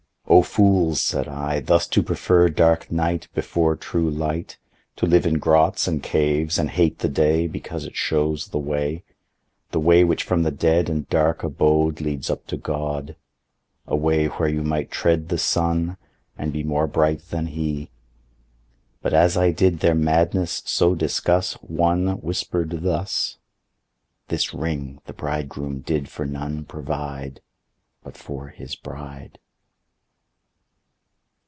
O fools (said I,) thus to prefer dark night Before true light, To live in grots, and caves, and hate the day Because it shows the way, The way which from the dead and dark abode Leads up to God, A way where you might tread the Sun, and be More bright than he. But as I did their madness so discuss One whisper'd thus, "This Ring the Bridegroom did for none provide But for his bride."